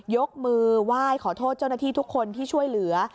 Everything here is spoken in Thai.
ยกมือไหว้ขอโทษเจ้าหน้าที่ทุกคนที่ช่วยเหลือ